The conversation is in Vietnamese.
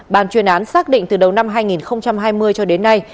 bàn chuyên án xác định từ đầu năm hai nghìn hai mươi cho đến nay